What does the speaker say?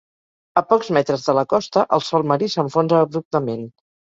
A pocs metres de la costa el sòl marí s'enfonsa abruptament.